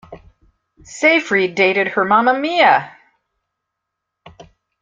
Seyfried dated her Mamma Mia!